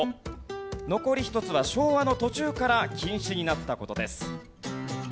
残り１つは昭和の途中から禁止になった事です。